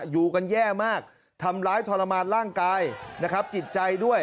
อยู่กันแย่มากทำร้ายทรมานร่างกายนะครับจิตใจด้วย